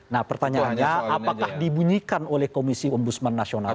nah pertanyaannya apakah dibunyikan oleh komisi ombudsman nasional